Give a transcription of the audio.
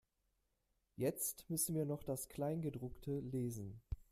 Jetzt müssen wir noch das Kleingedruckte lesen.